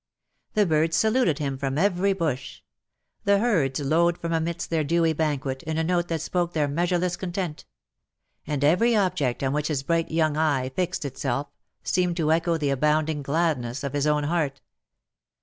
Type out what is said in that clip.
The birds saluted him from every bush ; the herds lowed from amidst their dewy banquet, in a note that spoke their measureless content; and every object on which his bright young eye fixed itself, seemed to echo the abounding gladness of his own heart.